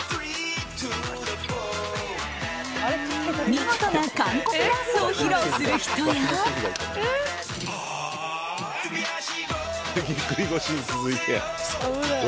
見事な完コピダンスを披露する人や。